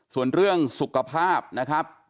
ส่วนเรื่องสุขภาพนะครับ